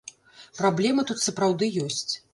Праблема тут сапраўды ёсць.